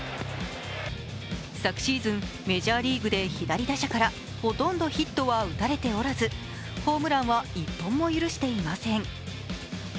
昨シーズン、メジャーリーグで左打者からほとんどヒットは打たれておらず、ホームランは１本も許していません